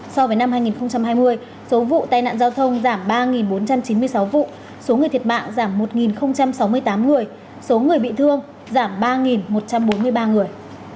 so với năm hai nghìn hai mươi số vụ tai nạn giao thông giảm ba bốn trăm chín mươi sáu vụ số người thiệt mạng giảm một sáu mươi tám người số người bị thương giảm ba một trăm bốn mươi ba người